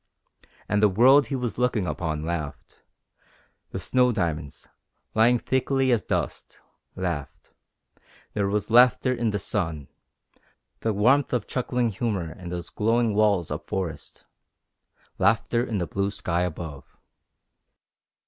And the world he was looking upon laughed; the snow diamonds, lying thickly as dust, laughed; there was laughter in the sun, the warmth of chuckling humour in those glowing walls of forest, laughter in the blue sky above.